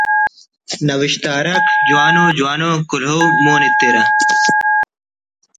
نوشتکار آک جوان ءُ جوان ءُ کلہو مون ایترہ